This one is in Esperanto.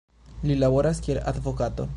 Li laboras kiel advokato.